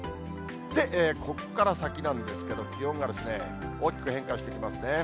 で、ここから先なんですけど、気温が大きく変化してきますね。